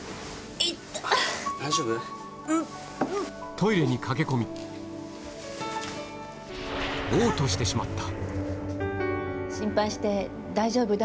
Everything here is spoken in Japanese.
トイレに駆け込み嘔吐してしまった